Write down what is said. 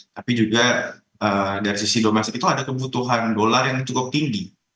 tapi juga dari sisi domestik itu ada kebutuhan dolar yang cukup tinggi